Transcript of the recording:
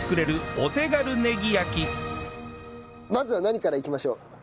まずは何からいきましょう？